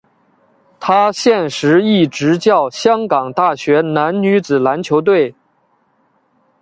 他现时亦执教香港大学男女子篮球队。